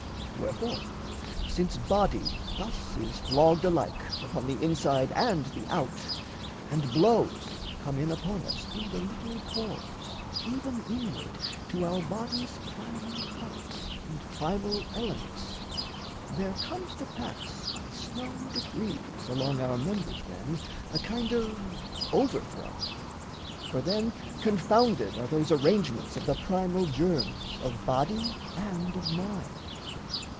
Wherefore, since body thus is flogged alike Upon the inside and the out, and blows Come in upon us through the little pores Even inward to our body's primal parts And primal elements, there comes to pass By slow degrees, along our members then, A kind of overthrow; for then confounded Are those arrangements of the primal germs Of body and of mind.